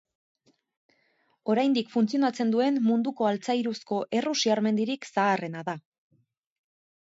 Oraindik funtzionatzen duen munduko altzairuzko errusiar mendirik zaharrena da.